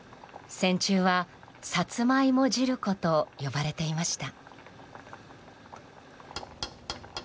戦中は、さつまいも汁粉と呼ばれていました。